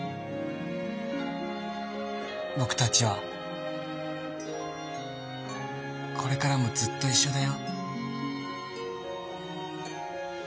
「ぼくたちはこれからもずっといっしょだよ」。